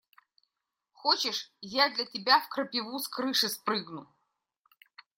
Хочешь, я для тебя в крапиву с крыши спрыгну?